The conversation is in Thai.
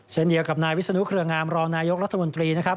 เช่นเดียวกับนายวิศนุเครืองามรองนายกรัฐมนตรีนะครับ